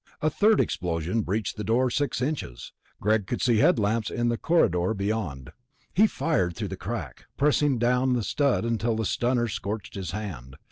A third explosion breached the door six inches; Greg could see headlamps in the corridor beyond. He fired through the crack, pressing down the stud until the stunner scorched his hand.